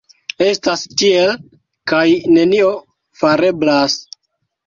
Estas tiel, kaj nenio fareblas.